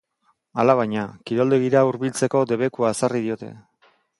Alabaina, kiroldegira hurbiltzeko debekua ezarri diote.